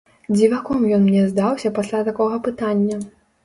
Дзіваком ён мне здаўся пасля такога пытання.